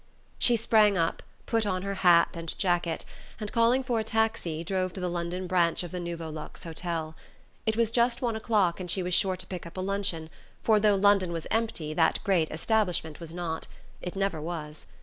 She sprang up, put on her hat and jacket, and calling for a taxi drove to the London branch of the Nouveau Luxe hotel. It was just one o'clock and she was sure to pick up a luncheon, for though London was empty that great establishment was not. It never was.